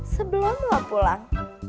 sebelum lo pulang